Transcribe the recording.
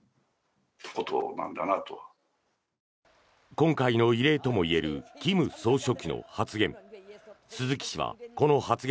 今回の異例ともいえる金総書記の発言。